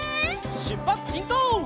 しゅっぱつしんこう！